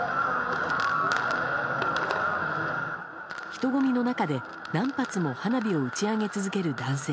人混みの中で、何発も花火を打ち上げ続ける男性。